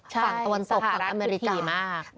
ฝั่งตะวันศพฝั่งอเมริกาสหรัฐปริธีมากใช่สหรัฐปริธี